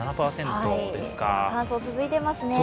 乾燥続いていますね。